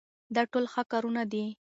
دا ټول ښه کارونه دي.